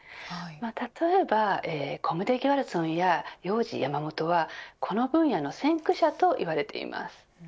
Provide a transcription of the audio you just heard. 例えば、コムデギャルソンやヨウジヤマモトはこの分野の先駆者といわれています。